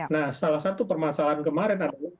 nah salah satu permasalahan kemarin adalah